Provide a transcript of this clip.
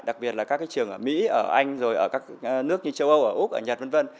đặc biệt là các trường ở mỹ ở anh rồi ở các nước như châu âu ở úc ở nhật v v